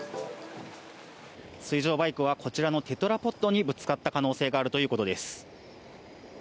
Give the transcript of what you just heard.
水上バイクはこちらのテトラポットにぶつかった可能性があるということです。